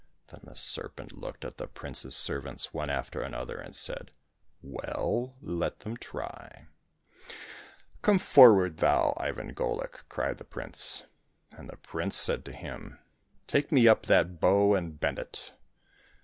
" Then the serpent looked at the prince's servants one after the other, and said, " Well, let them try !"" Come forward thou, Ivan Golik !" cried the prince. And the prince said to him, " Take me up that bow and bend it